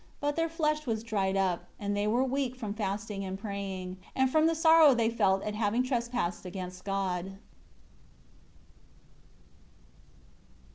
But their flesh was dried up, and they were weak from fasting and praying, and from the sorrow they felt at having trespassed against God.